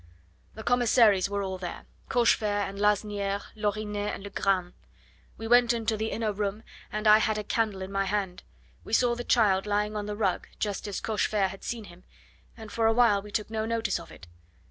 "The commissaries were all there Cochefer and Lasniere, Lorinet and Legrand. We went into the inner room, and I had a candle in my hand. We saw the child lying on the rug, just as Cochefer had seen him, and for a while we took no notice of it.